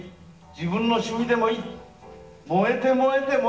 自分の趣味でもいい。